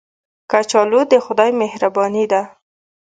کچالو د خدای مهرباني ده